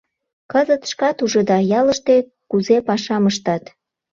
Кызыт, шкат ужыда, ялыште кузе пашам ыштат.